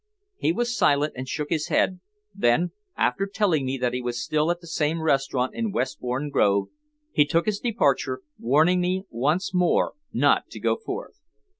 He was silent and shook his head; then, after telling me that he was still at the same restaurant in Westbourne Grove, he took his departure, warning me once more not to go forth.